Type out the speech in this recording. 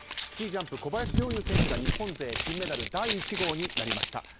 スキージャンプ、小林陵侑選手が日本勢金メダル第１号になりました。